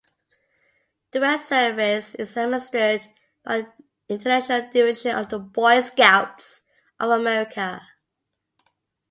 Direct Service is administered by the International Division of the Boy Scouts of America.